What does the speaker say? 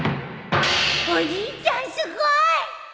おじいちゃんすごい！